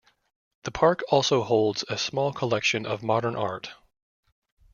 The park also holds a small collection of modern art.